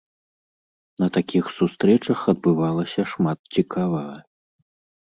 На такіх сустрэчах адбывалася шмат цікавага.